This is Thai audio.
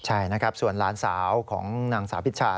ใช่นะครับส่วนหลานสาวของนางสาวพิชา